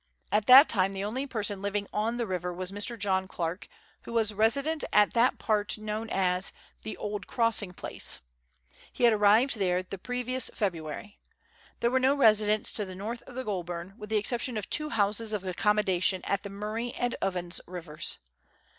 At that time the only person living on the river was Mr. John Clarke, who was resident at that part known as " the old crossing place ;" he had arrived there in the previous February. There were no residents to the north of the Goulburn, with the exception of two houses of accommodation at the Murray and Ovens rivers.